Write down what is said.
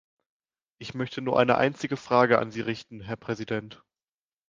Ich möchte nur eine einzige Frage an Sie richten, Herr Präsident.